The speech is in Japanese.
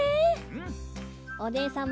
おねえさん